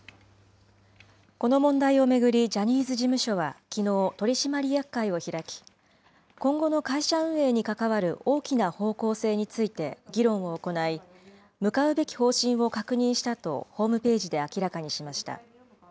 この問題を巡り、ジャニーズ事務所はきのう、取締役会を開き、今後の会社運営に関わる大きな方向性について議論を行い、向かうべき方針を確認したとホームページで明らかにしました。